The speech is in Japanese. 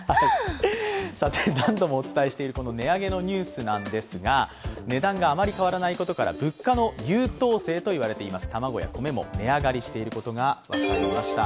さて、何度もお伝えしている値上げのニュースなんですが値段があまり変わらないことから物価の優等生と言われている卵や米も値上がりしていることが分かりました。